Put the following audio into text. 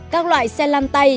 các loại xe lăn tay